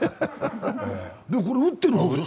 でも、これ打ってる方よ。